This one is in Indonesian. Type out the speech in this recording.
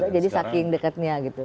jadi saking dekatnya gitu